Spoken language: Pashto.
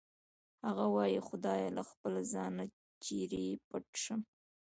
هغه وایی خدایه له خپله ځانه چېرې پټ شم